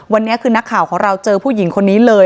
วันนี้คือนักข่าวของเราเจอผู้หญิงคนนี้เลย